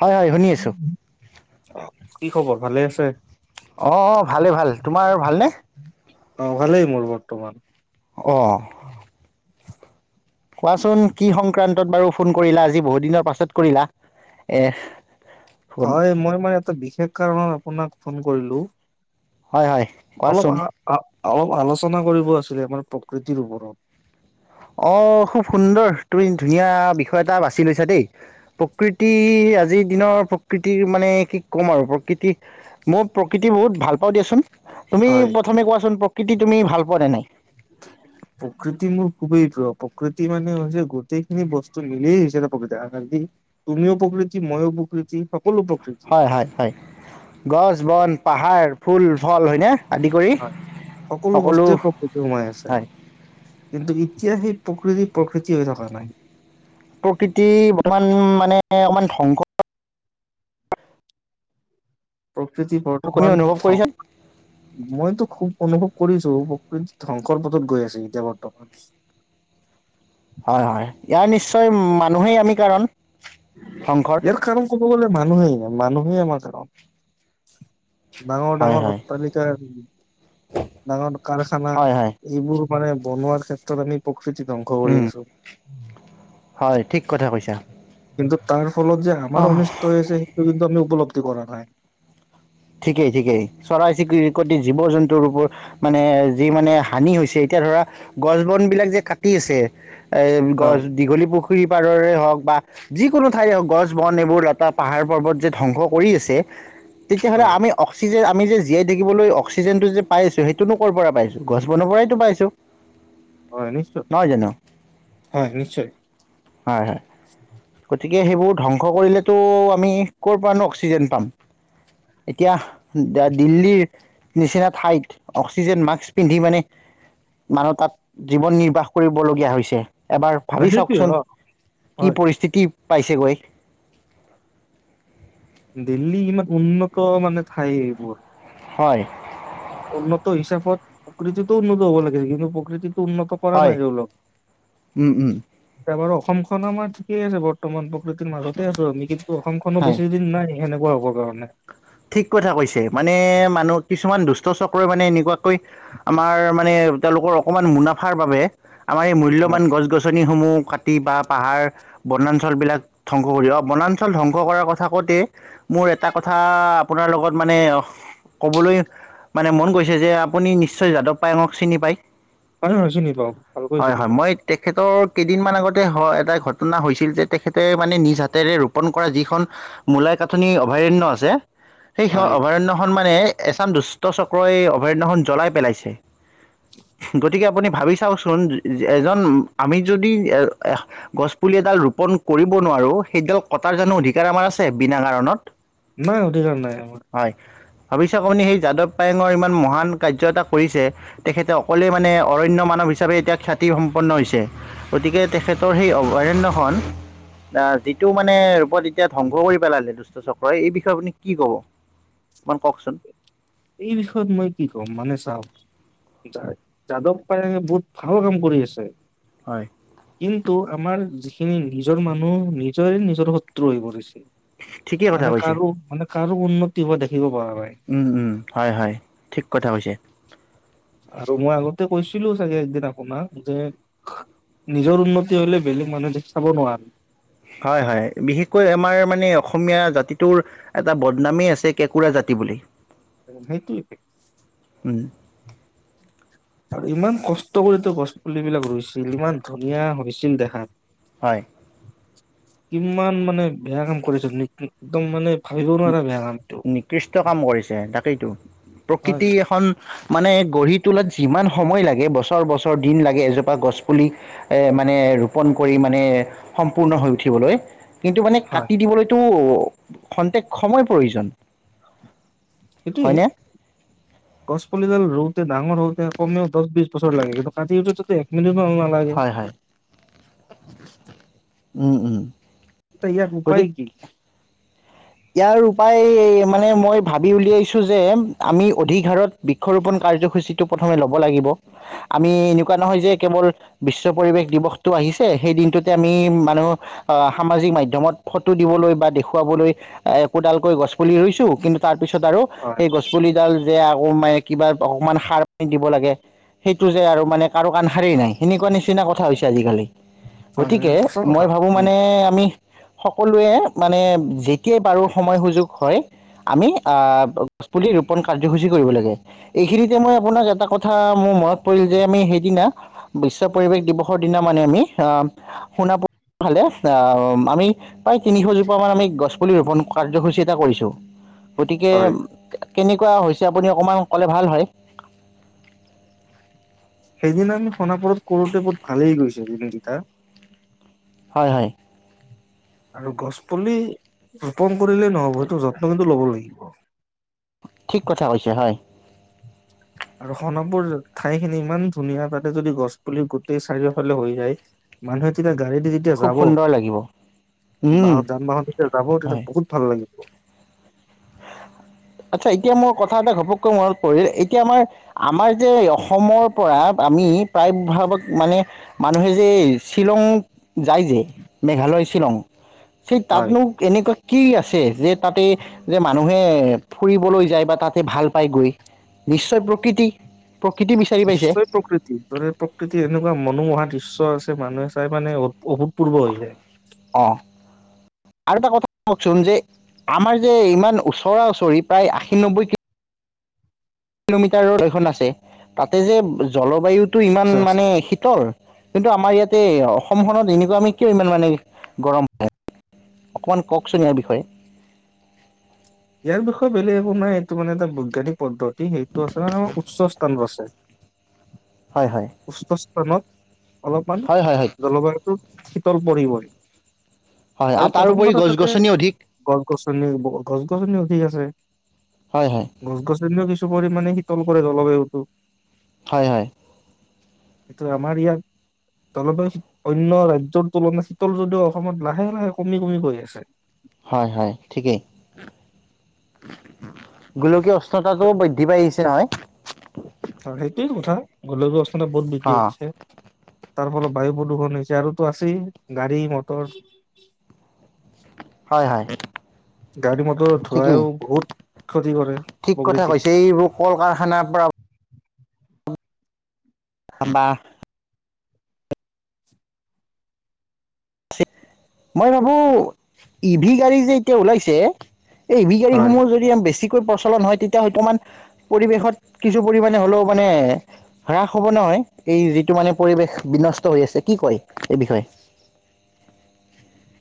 হয় হয় শুনি আছোঁ অক কি খবৰ ভালে আছে? অ ভালেই ভাল তোমাৰ ভালনে? অ ভালেই মোৰ বৰ্তমান। অহ কোৱাচোন কি সংক্ৰান্তত বাৰু ফোন কৰিলা আজি বহুত দিনৰ পাছত কৰিলা এ হয় মই মানে এটা বিশেষ কাৰণত আপোনাক ফোন কৰিলোঁ। হয় হয় অলপ কোৱাচোন আ আ অলপ আলোচনা কৰিব আছিলে মানে প্ৰকৃতিৰ ওপৰত। অঁ খুব সুন্দৰ তুমি ধুনীয়া বিষয় এটা বাছি লৈছা দেই প্ৰকৃতি আজিৰ দিনৰ প্ৰকৃতিৰ মানে কি ক'ম আৰু প্ৰকৃতি মই প্ৰকৃতি বহুত ভাল পাওঁ দিয়াচোন। তুমি হয়। প্ৰথমে কোৱাচোন প্ৰকৃতি তুমি ভাল পোৱানে নাই? প্ৰকৃতি মোৰ খুবেই প্ৰিয় প্ৰকৃতি মানে হৈছে গোটেইখিনি বস্তু মিলিয় হৈছে প্ৰকৃতি আ তুমিও প্ৰকৃতি মইও প্ৰকৃতি সকলো প্ৰকৃতি। হয় হয় হয় গছ বন পাহাৰ, ফুল, ফল হয়নে আদি কৰি হয় সকলো বস্তুৱে প্ৰকতি সোমাই আছে হয় কিন্তু এতিয়া সেই প্ৰকৃতি প্ৰকৃতি হৈ থকা নাই। প্ৰকৃতি বৰ্তমান মানে অকমান ধ্বংস প্ৰকৃতি তুমি বৰ্তমান অনুভৱ কৰিছা মইতো খুব অনুভৱ কৰিছো। ধ্বংসৰ পথত গৈ আছে এতিয়া বৰ্তমান। হয় হয় ইয়াৰ নিশ্চয় মানুহেই আমি কাৰণ। ধ্বংসৰ ইয়াৰ কাৰণ কব গ'লে মানুহেই মানুহেই আমাৰ কাৰণ। ডাঙৰ হয় ডাঙৰ হয় অট তালিকাৰ, ডাঙৰ কাৰখানা, হয় হয় এইবোৰ। মানে বনোৱাৰ ক্ষেত্ৰত আমি প্ৰকৃতি ধ্বংস কৰি উম আছো। হয় ঠিক কথা কৈছা। কিন্তু তাৰ ফলত যে আমাৰ অঁ অনিষ্ট হৈ আছে সেইটো কিন্তু আমি উপলব্ধি কৰা নাই। ঠিকেই ঠিকেই চৰাই চিৰিকৰিকতি জীৱ জন্তুৰ ওপৰত, মানে যি মানে হানি হৈছে এতিয়া ধৰা, গছ বন বিলাক যে কাটি আছে এই গছ হয় দীঘলী পোষ পুখুৰী পাৰৰে হওক বা যিকোনো ঠাই হওক গছ বন এইবোৰ লতা পাহাৰ পৰ্বত যে ধ্বংস কৰি আছে তেতিয়'লে হয় আম অক্সজেন আমি যে জীয়াই থাকিবলৈ অক্সিজেনটো যে পাই আছো সেইটো টো কৰ্' পৰা পাইছো?, গছ বন পৰাইটো পাইছো। হয় নিশ্চয়, হয় নিশ্চয়। হয় হয় গতিকে সেইবোৰ ধ্বংস কৰিলেতো আমি ক'ৰ পৰা নো অক্সিজেন পাম? এতিয়া দিল্লীৰ, নিচিনা ঠাইত অক্সিজেন মাস্ক পিন্ধি মানে মানুহ তাত জীৱন নিৰ্বাহ কৰিবলগীয়া হৈছে। এবাৰ ভাবি সেইটোৱে চাওকচোন, অ কি হয় পৰিস্থিতি? পাইছেগৈ। দিল্লী ইমান উন্নত মানে ঠাই এইবোৰ হয়। উন্নত হিচাপত, প্ৰকৃতিতো উন্নত হ'ব লাগিছে কিন্তু প্ৰকৃতিত। উন্নত কৰা হয় নাই, উম উম [unintelligible] অসমখন আমাৰ ঠিকেই আছে বৰ্তমান। মাজতে আছো আমি কিন্তু অসমখনো হয় বেছি দিন নাই। সেনেকুৱা হ'বৰ কাৰণে। ঠিক কথা কৈছে মানে মানুহ কিছুমান, দুষ্ট চক্ৰই মানে এনেকুৱাকৈ আমাৰ মানে তেওঁলোকৰ অকমান মুনাফাৰ বাবে। আমাৰ এই হয় মূল্যবান গছ গছনি সমহ কাটি বা পাহাৰ বনাঞ্চল বিলাক, ধ্বংস কৰিব, বনাঞ্চল ধ্বংস কৰাৰ কথা কওঁতে মোৰ এটা কথা আপোনাৰ লগত মানে, ক'বলৈ, মানে মন গৈছে যে আপুনি নিশ্চয় যাদৱ পায়ঙক চিনি পায়। নে নহয় চিনি পাও ভালকৈ হয় চিনি হয় পাও। মই তেখেতৰ কেইদিনমান আগতে এটা ঘটনা হৈছিল যে তেখেতে মানে নিজ হাতেৰে ৰোপণ কৰা যিখন, মূলাইকাথনি অভয়াৰণ্য আছে। সেই হয় অভয়াৰণ্য সন্মান মানে এচাম দুষ্ট চক্ৰই অভয়াৰণ্যখনন জ্বলাই পেলাইছে। গতিকে আপুনি ভাবি চাওচোন এজন আমি যদি এ গছপুলি এডাল ৰোপন কৰিব নোৱাৰো সেইডাল কটাৰ জানো অধিকাৰ আমাৰ আছে বিনা কাৰণত। নাই অধিকাৰ নাই আমাৰ। ভাবি চাওক আপুনি সেই যাদৱ পায়েঙৰ ইমান মহান কাৰ্য এটা কৰিছে। তেখেতে অকলেই মানে অৰণ্য মানৱ হিচাপে এতিয়া খ্যাতি সম্পন্ন হৈছে, গতিকে তেখেতৰ সেই অয়ৰণ্যখন যিটো মানে [unintelligible] এতিয়া ধ্বংস কৰিব পেলালে দুচ ত চক্ৰই। এই বিষয় আপুনি কি ক'ব? মান কওঁকচোন? এই বিষয়ত মই কি ক'ম মানে চাওঁক, যা - যাদৱ পায়ঙে বহুত ভাল কাম কৰি আছে। হয় কিন্তু আমাৰ যিখিনি নিজৰ মানুহ নিজৰে নিজৰ শত্ৰু হৈ পৰিছে। ঠিকেই কথা মানে কৈছে কাৰো মানে কাৰো উন্নতি হোৱা দেখিব পৰা নাই উম উম। হয় হয়, ঠিক কথা কৈছে। আৰু মই আগতে কৈছিলো চাগে একদিন আপোনাক যে নিজৰ উন্নতি হলে বেলেগ মানুহৰ দেখি চাব নোৱাৰে। হয় হয় বিশেষকৈ আমাৰ মানে অসমীয়া জাতিটোৰ এটা বদনামেই আছে কেঁকোৰা জাতি বুলি। সেইটোৱে। উম। আৰু ইমান কষ্ট কৰিতো গছ পুলিবিলাক ৰুইছিল, ইমান ধুনীয়া হৈছিল দেখাত । হয়। কিমান মানে বেয়া কাম কৰিছে [unintelligible] একদম মানে ভাবিব নি নোৱাৰা বেয়া কামটো - নিকৃষ্ট কাম কৰিছে তাকেইটো। প্ৰকৃতি হয় এখন মানে গঢ়ি তোলাত যিমান সময় লাগে বছৰ বছৰ দিন লাগে এজোপা গছ পুলি এ মানে ৰোপন কৰি মানে সম্পূৰ্ণ হৈ উঠিবলৈ। কিন্তু মানে হয় কাটি দিবলৈতো খন্তেক সময় প্ৰয়োজন। ইটোৱে। হয়নে গছপুলিডাল ৰোওতে ডাঙৰ হওঁতে কমেও দহ বিছ বছৰ লাগে কিন্তু [unintelligible] এক [unintelligible] [unintelligible] নালাগে। হয় হয় উম উম। ত' ইয়াৰ গতিকে উপায় কি? ইয়াৰ উপায় মানে মই ভাবি উলিয়াইছো যে আমি অধিক হাৰত বৃক্ষৰোপন কাৰ্যসূচীটো প্ৰথমে লব লাগিব। আমি এনেকুৱা নহয় যে কেৱল বিশ্ব পৰিৱেশ দিৱসটো আহিছে সেই দিনটোতে আমি মানুহ আহ সামাজিক মাধ্যমত ফটো দিবলৈ বা দেখুৱাবলৈ এ - একোডালকৈ গছ পুলি ৰুইছো কিন্তু তাৰ পিছত আৰু হয় সেই গছপুলিডাল যে অ মে কিবা অকমান সাৰ পানি দিব লাগে, ‌ সেইটো যে আৰু মানে কাৰো কাণ সাৰেই নাই সেনেকুৱা নিচিনা কথা হৈছে আজিকালি। হয় গতিকে সঁচা কথা মই ভাবো উম, মানে আমি সকলোৱে মানে এতিয়ে বাৰু সময় সুযোগ হয় আমি আহ গছপুলি ৰোপন কাৰ্যসূচী কৰিব লাগে এইখিনিতে মই আপোনাক এটা কথা মোৰ মনত পৰিল যে আমি সেইদিনা বিশ্ব পৰিৱেশ দিৱসৰ দিনা মানে আমি আহ শুনা ফালে আহ আমি। প্ৰ তিনিশজোপা মান আমি গছ গছ পুলি ৰোপণ কাৰ্যসূচী এটা কৰিছো। গতিকে হয় কেনেকুৱা হৈছে আপুনি অকণমান ক'লে ভাল হয়। এিন আমি সোণাপুৰত কৰোতে বহুত ভালেই গৈছে দিনকেইটা। হয় হয় আৰু গছ পুলি ৰোপণ। কৰিলে নহব সেইটো যত্ন কিন্তু ল'ব লাগিব। আহ ঠিক কথা কৈ হৈছে হয়। আৰু সোণাপুৰ ঠাই খিনি ইমান ধুনীয়া তাতে যদি গছ পুলি গোটেই চাৰিওফালে হৈ যায় মানুহে তেতিয়া গাড়ী দি যেতিয়া খুব যাব সুন্দৰ লাগিব উম বাহত যান বাহন যেতিয়া যাব তেতিয়া হয় বহুত ভাল লাগিব। আচ্ছা এতিয়া মোৰ কথা এটা ঘপককৈ মনত পৰিল এতিয়া আমাৰ আমাৰ যে অসমৰ পৰা আমি প্ৰায় ভাগত মানে মানুহে যে শ্বিলং যায় যে মেঘালয় শ্বিলং। সেই হয়। তাতনো কেনেকৈ কি আছে যে তাতে যে মানুহে ফুৰিবলৈ যায় বা তাতে ভাল পায় গৈ নিশ্চয় প্ৰকৃতি প্ৰকৃতি বিচাৰি পাইছে নিশ্চয় প্ৰকৃতিৰ দৰে প্ৰকৃতিৰ এনেকুৱা মনোমোহা দৃশ্য আছে। মানুহে চাই মানে অভূতপূৰ্ব হৈ যায়। অ আৰু এটা কথা কওকচোন যে আমাৰ যে ইমান ওচৰা ওচৰি প্ৰায় আশীনব্বৈ ক কিলোমিটাৰ এখন আছে তাতে যে জলবায়ুত। টো ইমান আছে আছে। মানে শীতল। কিন্তু আমাৰ ইয়াতে অসমখনত এনেকুৱা আমি কিয় ইমান মানে গৰম প অকমান কওকচোন ইয়াৰ বিষয়ে। ইয়াৰ বিষয়ে বেলেগ একো নাই এইটো মানে এটা বৈজ্ঞানিক পদ্ধতি সেইটো আছে মানে আাৰ উচ্চ স্থান আছে। হয় হয় প্ৰম অলপমান হয় হয় হয় জলবায়ুটো শীতল পৰিবই হয় আৰু প্ৰথম তাৰোপৰি কথা গছ তাতে গছনি অধিক গছ গছনি গছ। গছ গছনি অধিক আছে। হয় হয় গছ গছনি কিছ পৰিমানে শীতল কৰে জলবায়ুটো হয় হয় এইটো আমাৰ ইয়াত জলবায়ু অন্য ৰাজ্যৰ তুলনা শীতল যদিও অসমত লাহে লাহে কমি কমি গৈ আছে। হয় হয় ঠিকেই গলো কি অ উষ্ণতাটোও বৃদ্ধি পাই আহিছে নহয় অ সেইটোৱে কথা । গলো অৱস্থা বহুত বৃদ্ধি অ হৈছে । তাৰ ফলত বায়ু প্ৰদূষণ হৈছে আৰু টো আছেই গাড়ী মটৰ হয় হয় গাড়ী মটৰ ঠিকেই ধোঁৱাইও বহুত ক্ষতি কৰে ঠিক কথা প্ৰকৃতিক কৈছে এইবোৰ কল কাৰখানাৰ পৰা । আহ বা মই ভাবো ই ভি গাড়ী যে এতিয়া ওলাইছে এই ই ভি হয় গাড়ীসমূহ যদি আমি বেছি তাতকৈ প্ৰচলন হয় তেতিয়া হয়তো মান পৰিৱেশত কিছু পৰিমণে হ'লেও মানে হ্ৰাস হ'ব নহয় এই যিটো মানে পৰিৱেশ বিনষ্ট হৈ আছে কি কয় এই বিষয়ে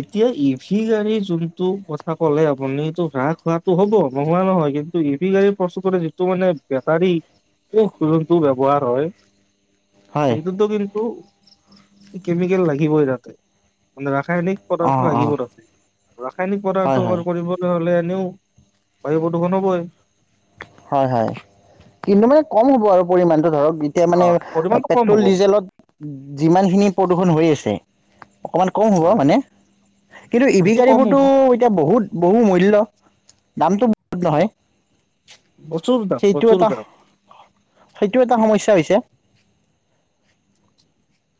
এতিয়া ই ভি গাড়ী যোনটো কথা কলে আপুনিটো হ্ৰাস হোৱাটো হ'ব নোহোৱা নহয় কিন্তু ই ভি গাড়ী প্ৰচু যিটো মানে বেটাৰী কষ যোনটো ব্যয়ৱহাৰ হয় । হয় সেইটো কিন্ত কেমিকেল লাগিবই তাতে মানে ৰাসায়নিক পদাৰ্থ অঁ অঁ লাগিব তাত ৰাসায়নিক হয় পদাৰ্থ হয় কৰিবলৈ হলে তেওঁ বাৰু প্ৰদূষণবই হয় হয় কিন্তু মানে কম হ'ব আৰু পৰিমাণটো ধৰক । এতিয়া অ মানে পৰিমাণটো কম পেট্ৰল হ'ব ডিজেলত যিমান খিনি প্ৰদূষণ হৈ আছে [unintelligible] অকণমান কম হ'ব হয় মানে কিন্তু ই ভি সেইটো কম গাড়ীবোৰতো হ'ব এতিয়া বহুত বহু মূল্য দামটো বহুত অ নহয় । প্ৰচুৰ দাম সেইটো প্ৰচুৰ এটা দাম সেইটো এটা সমস্যাৰ পিছে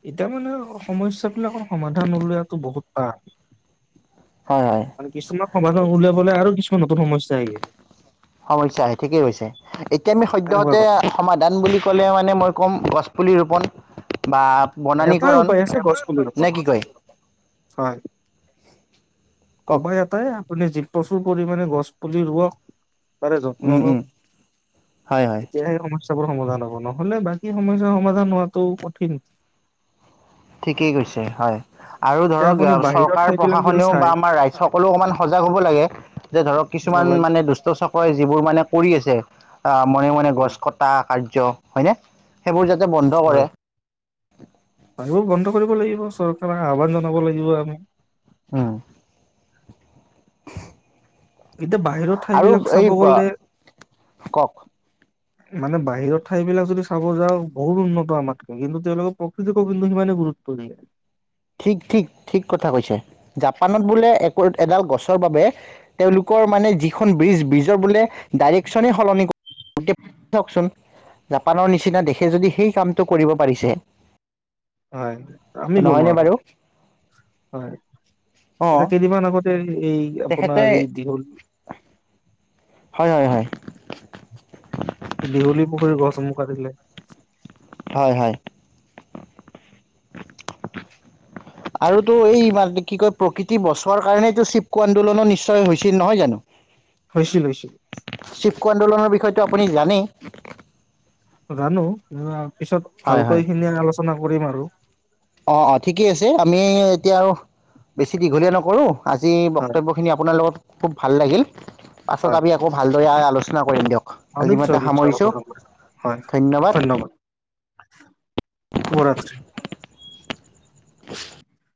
এতিয়া মানে সমস্যাৰ বিলাকৰ সমাধান ওলোৱাটো বহুত টান হয় হয় মানে কিছুমান সমাধান উলিয়াবলে আৰু কিছুমান নতুন সমস্যা আহে । সমস্যা আহে ঠিকেই কৈছে এতিয়া আমি এনেকুৱা সদ্যহতে কথা সমাধান বুলি ক'লে মানে মই কম গছপুলি ৰোপণ বা এটাই বনানীকৰণ উপায় আছে গছপুলি নে ওপৰত কি কয় হয় কওক ওপাই এটাই আপুনি যি প্ৰচুৰ পৰিমাণে গছ পুলি ৰুৱক তাৰে যত্ন উম লও উম হয় হয় এতিয়াহে সমস্যা । সমাধান হব নহলে বাকী সমস্যয়াৰ সমাধান হোৱাটো কঠিন । ঠিকেই কৈছে হয় আৰু এতিয়া ধৰক আপুনি বাহিৰৰ চৰকাৰ ঠাইবিলাক যদি প্ৰশাসনেও বা চাই আমাৰ ৰা সকলো অকণমান সজাগ হ'ব লাগে। যে ধৰক কিছুমান নালাগে মানে দুষ্ট চকৰে যিবোৰ মানে । মানে কৰি আছে। অ মনে মনে গছ কটা কাৰ্য। হয়নে। সেইবোৰ যাতে বন্ধ কৰে। পানীবোৰ বন্ধ কৰিব লাগিব ।চৰকাৰক আহ্বান জনাব লাগিব আমি। অহ। এতিয়া বাহিৰৰ আৰু ঠাইবিলাক এই চাব গলে। কওক মানে বাহিৰৰ ঠাইবিলাক যদি চাব যাওঁ বহুত উন্নত আমাতকৈ ।কিন্তু তেওঁলোকে প্ৰকৃতিকো কিন্তু সিমানে গুৰুত্ব দিয়ে। ঠিক ঠিক ঠিক কথা কৈছে ।জাপানত বোলে এক এডাল গছৰ বাবে তেওঁলোকৰ মানে যিখন ব্ৰিজ ব্ৰিজৰ বোলে। ডাইৰেকশ্যনেই সলনি কৰতিাওকচোন । জাপানৰ নিচিনা দেশে যদি সেই কামটো কৰিব পাৰিছে। হয় আমি গম নহয়নে পাওঁ। বাৰু হয় অ ।এয়া কেইদিনমান আগতে এই তেখেতে আপোনাৰ এই দীঘল। হয়, হয়, হয়। স দীঘলী পুখুৰীৰ গছসমূহ কাটিলে। হয়, হয়। আৰুতো এই কি কয়। প্ৰকৃতি বছৰৰ কাৰণেটো চিবকু আন্দোলন নিশ্চয় হৈছিল নহয় জানো? হৈছিল হৈছিল। শিবকু আন্দোলনৰ বিষয়েটো আপুনি জানেই। জানো পিছত হয় ভালকৈ খিনি আলোচনা কৰিম আৰু। অ অ ঠিকেই আছে আমি। এতিয়া আৰু বেছি দীঘলীয়া নক। কৰোঁ। আজি হয় বক্তব্যখিনি আপোনাৰ লগত। খুব ভাল লাগিল। পাছত হয় আমি আকৌ ভালদৰে আলোচনা । আলোচনা কৰিম দিয়ক। অ আজি মই নিশ্চয় এতিয়া নিশ্চয় সামৰিছোঁ হয়। ধন্যবাদ। উ [unintelligible] অ ৰাতি। [unintelligible]